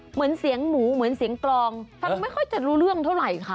เหมือนเสียงหมูเหมือนเสียงกรองฟังไม่ค่อยจะรู้เรื่องเท่าไหร่ค่ะ